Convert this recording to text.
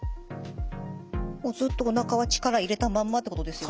ずっとおなかは力を入れたまんまってことですよね。